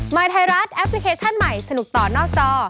ไทยรัฐแอปพลิเคชันใหม่สนุกต่อนอกจอ